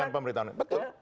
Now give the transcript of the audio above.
dengan pemerintahan betul